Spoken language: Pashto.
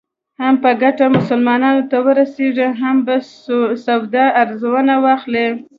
هم به ګټه مسلمانانو ته ورسېږي او هم به سودا ارزانه واخلې.